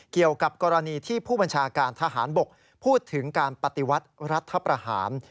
เกี่ยวกับกรณีที่ผู้บัญชาการทหารบกพูดถึงการปฏิวัติรัฐประหาร